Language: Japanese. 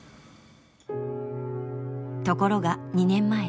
ところが２年前。